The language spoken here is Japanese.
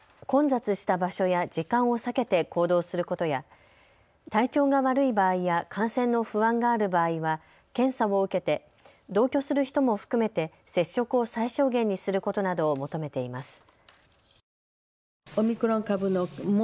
混雑した場所や時間を避けて行動することや、体調が悪い場合や感染の不安がある場合は検査を受けて同居する人も含めて接触を最小限にすることなどを求めています。